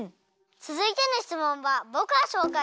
つづいてのしつもんはぼくがしょうかいしますね。